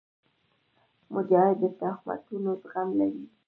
مجاهد د تهمتونو زغم لري.